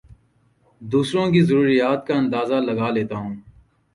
دوسروں کی ضروریات کا اندازہ لگا لیتا ہوں